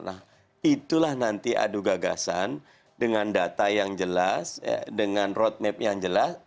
nah itulah nanti adu gagasan dengan data yang jelas dengan roadmap yang jelas